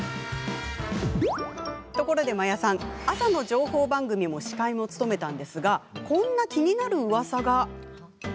ところで真矢さん朝の情報番組の司会も務めたんですがこんな気になるうわさが。